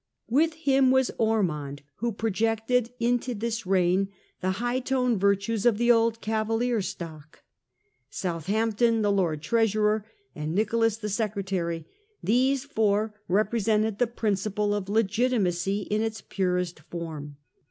* With him was Ormond, who projected into this reign the high toned virtues of the old Cavalier stock ; Southampton the Lord Treasurer, and Nicholas the Secretary; these four representing the principle of legitimacy in its purest form.